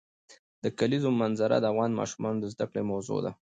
د کلیزو منظره د افغان ماشومانو د زده کړې موضوع ده.